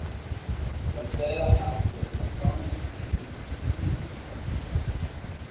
Walter a également peint sur le motif des études de plantes et d’arbres.